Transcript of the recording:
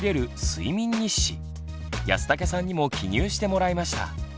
睡眠日誌安武さんにも記入してもらいました。